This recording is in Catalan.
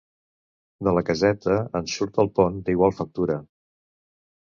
De la caseta en surt el pont d’igual factura.